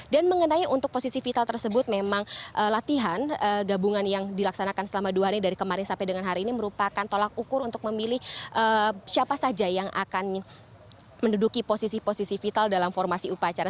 dan mengenai untuk posisi vital tersebut memang latihan gabungan yang dilaksanakan selama dua hari dari kemarin sampai dengan hari ini merupakan tolak ukur untuk memilih siapa saja yang akan menduduki posisi posisi vital dalam formasi upacara